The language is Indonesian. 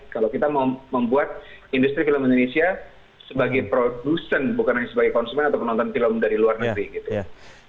kalau kita mau membuat industri film indonesia sebagai produsen bukan hanya sebagai konsumen atau penonton film dari luar negeri gitu